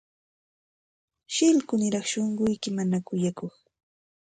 Shillkuniraqmi shunquyki, mana kuyakuq.